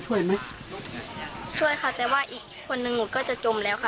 ช่วยค่ะแต่ว่าอีกคนนึงหนูก็จะจมแล้วค่ะ